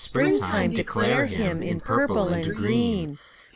Springtime declare him, In purple and green!